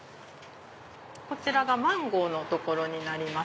こちらがマンゴーの所になります。